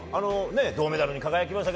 銅メダルに輝きました。